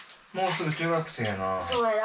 そうやで。